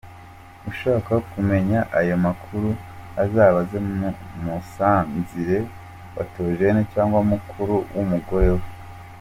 Ushaka kumenya ayo makuru azabaze Musanzire wa Theogene cg Mukuru w’ umugore we.